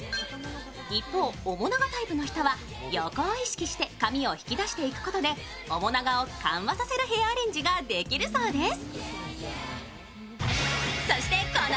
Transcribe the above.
一方、面長タイプの人は横を意識して髪を引き出していくことで面長を緩和させるヘアアレンジができるそうです。